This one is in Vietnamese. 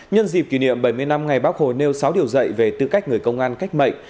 nhân dịp kỷ niệm bảy mươi năm ngày bác hồ nêu sáu điều dạy về tư cách người công an cách mệnh